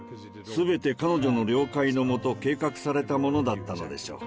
全て彼女の了解のもと計画されたものだったのでしょう。